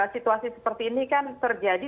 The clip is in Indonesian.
situasi seperti ini kan terjadi